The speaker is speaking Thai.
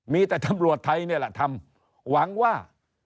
มีแต่ตำรวจไทยนี่แหละทำหวังว่า